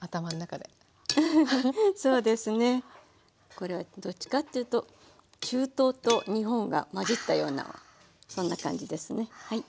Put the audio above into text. これはどっちかっていうと中東と日本がまじったようなそんな感じですねはい。